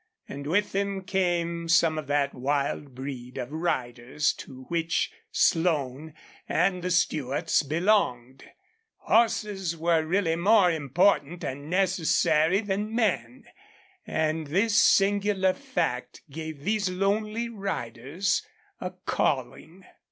And with them came some of that wild breed of riders to which Slone and the Stewarts belonged. Horses were really more important and necessary than men; and this singular fact gave these lonely riders a calling.